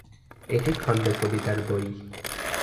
এটি খন্ড কবিতার বই।